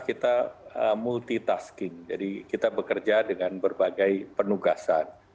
kita multitasking jadi kita bekerja dengan berbagai penugasan